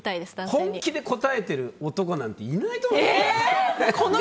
本気で答えてる男なんていないと思うよ。